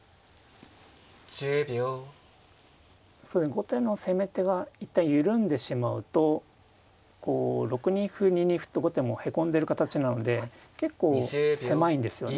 後手の攻め手は一旦緩んでしまうとこう６二歩２二歩と後手もへこんでる形なので結構狭いんですよね。